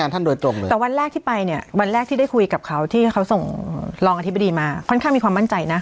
แต่วันแรกที่ไปเนี่ยวันแรกที่ได้คุยกับเขาที่เขาส่งรองอธิบดีมาค่อนข้างมีความมั่นใจนะ